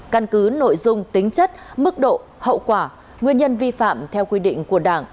căn cứ nội dung tính chất mức độ hậu quả nguyên nhân vi phạm theo quy định của đảng